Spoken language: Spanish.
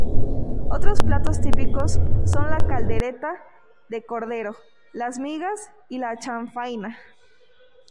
Otros platos típicos son la caldereta de cordero, las migas y la chanfaina.